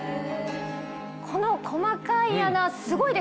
この細かい穴すごいですよね。